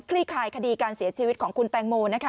คลายคดีการเสียชีวิตของคุณแตงโมนะคะ